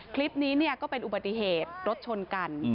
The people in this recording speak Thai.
คลิปนี้ก็เป็นอุบัติเหตุรถชนกัน